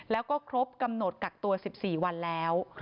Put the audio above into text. แล้วก็ครบกำหนดกักตัว๑๔วันแล้ว